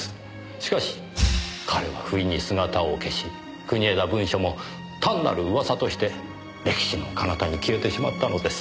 しかし彼はふいに姿を消し国枝文書も単なる噂として歴史のかなたに消えてしまったのです。